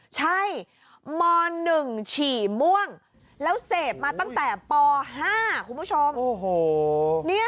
ใช่ม๑ฉี่ม่วงแล้วเสพมาตั้งแต่ป๕คุณผู้ชม